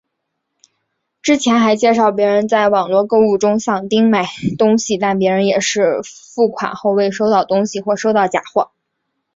之前还介绍别人在网路购物中向丁买东西但别人也是付款后未收到东西或收到假货。